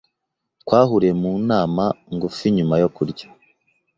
Twahuriye mu nama ngufi nyuma yo kurya.